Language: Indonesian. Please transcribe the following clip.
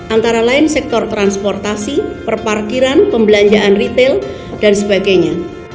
antara lain sektor transportasi perparkiran pembelanjaan retail dan sebagainya